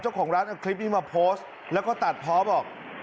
เจ้าของร้านเอาคลิปนี้มาโพสต์แล้วก็ตัดเพาะบอก